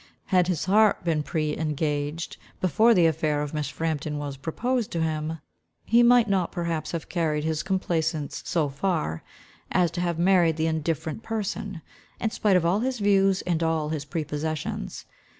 Had his heart been pre engaged, before the affair of Miss Frampton was proposed to him, he might not perhaps have carried his complaisance so far, as to have married the indifferent person, in spite of all his views and all his prepossessions.